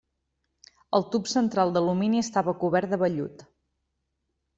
El tub central d'alumini estava cobert de vellut.